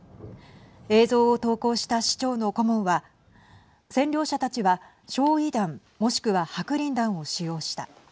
映像を投稿した市長の顧問は占領者たちは焼い弾もしくは白リン弾を使用した。